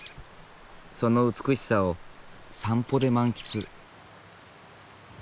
その美しさを散歩で満喫。